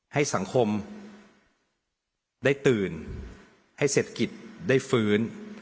ให้สังคมได้ตื่นให้เศรษฐกิจได้ฟื้น